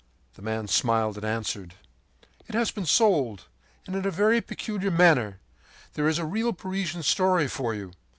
” The man smiled and answered: “It has been sold, and in a very peculiar manner. There is a real Parisian story for you!